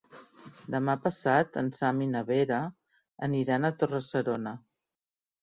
Demà passat en Sam i na Vera aniran a Torre-serona.